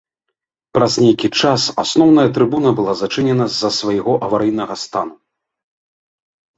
Праз нейкі час асноўная трыбуна была зачынена з-за свайго аварыйнага стану.